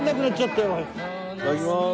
いただきます。